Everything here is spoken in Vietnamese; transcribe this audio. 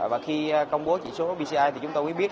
và khi công bố chỉ số bci thì chúng tôi mới biết